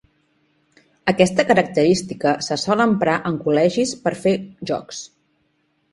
Aquesta característica se sol emprar en col·legis per fer jocs.